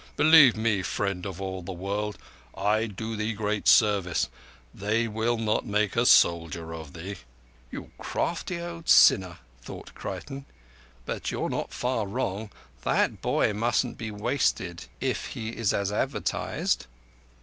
Believe me, Friend of all the World, I do thee great service. They will not make a soldier of thee." "You crafty old sinner!" thought Creighton. "But you're not far wrong. That boy mustn't be wasted if he is as advertised."